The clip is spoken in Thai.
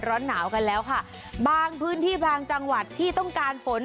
ร้อนหนาวกันแล้วค่ะบางพื้นที่บางจังหวัดที่ต้องการฝน